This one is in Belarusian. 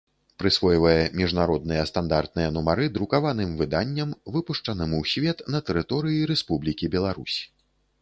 Прысвойвае мiжнародныя стандартныя нумары друкаваным выданням, выпушчаным у свет на тэрыторыi Рэспублiкi Беларусь.